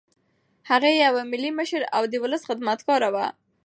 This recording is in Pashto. هغه یو ملي مشر او د ولس خدمتګار و.